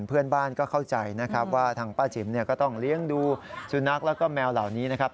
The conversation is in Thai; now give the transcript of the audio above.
เพื่อนบ้านก็เข้าใจนะครับว่าทางป้าจิ๋มก็ต้องเลี้ยงดูสุนัขแล้วก็แมวเหล่านี้นะครับ